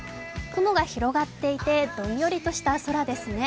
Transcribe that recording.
雲が広がっていてどんよりとした空ですね。